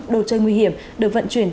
đồ chơi nguy hiểm được vận chuyển